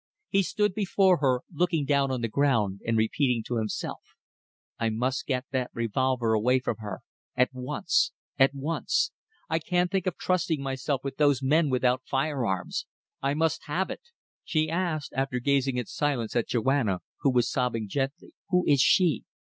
He stood before her looking down on the ground and repeating to himself: I must get that revolver away from her, at once, at once. I can't think of trusting myself with those men without firearms. I must have it. She asked, after gazing in silence at Joanna, who was sobbing gently "Who is she?"